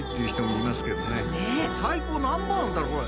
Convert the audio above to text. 最高何本あるんだろうこれ。